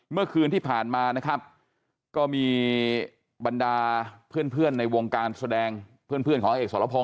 เมื่อคืนที่ผ่านมานะครับก็มีบรรดาเพื่อนในวงการแสดงเพื่อนของเอกสรพง